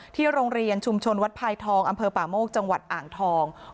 โรงเรียนชุมชนวัดพายทองอำเภอป่าโมกจังหวัดอ่างทอง